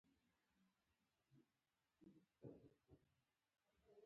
ښوونځی زموږ ذهنونه فعالوي